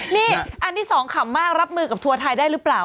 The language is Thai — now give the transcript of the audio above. นี่อันที่สองขำมากรับมือกับทัวร์ไทยได้หรือเปล่า